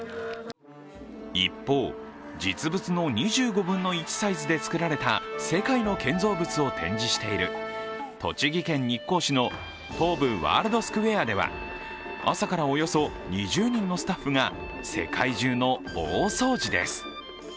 一方、実物の２５分の１サイズで作られた世界の建造物を展示している栃木県日光市の東武ワールドスクウェアでは朝からおよそ２０人のスタッフが世界中の大掃除です。